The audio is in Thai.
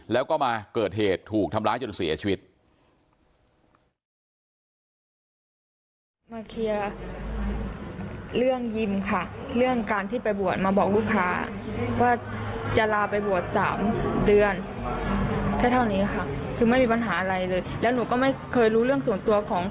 แล้วก็มาเกิดเหตุถูกทำร้ายจนเสียชีวิต